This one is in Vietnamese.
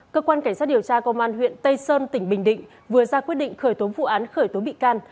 cơ quan cảnh sát điều tra công an huyện tây sơn tỉnh bình định vừa ra quyết định khởi tố vụ án khởi tố bị can